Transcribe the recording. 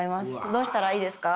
どうしたらいいですか？